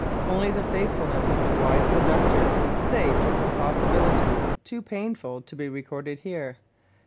Only the faithfulness of the wise conductor saved her from possibilities too painful to be recorded here.